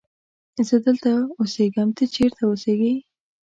زه دلته اسیږم ته چیرت اوسیږی